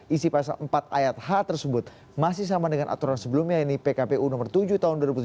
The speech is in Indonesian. isi pasal empat ayat h tersebut masih sama dengan aturan sebelumnya ini pkpu nomor tujuh tahun dua ribu tujuh belas